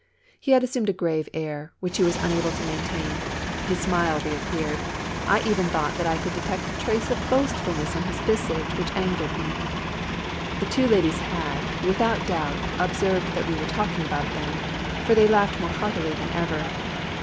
He had assumed a grave air, which he was unable to maintain ; his smile reappeared ; I even thought that I could detect a trace of boastfulness on his visage, which angered me. The two ladies had, without doubt, observed that we were talking about them, for they laughed more heartily than ever.